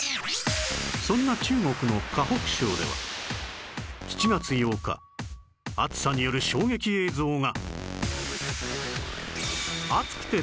そんな中国の河北省では７月８日暑さによる衝撃映像が